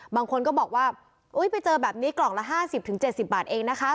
บางคนก็บอกว่าไปเจอแบบนี้กล่องละ๕๐๗๐บาทเองนะคะ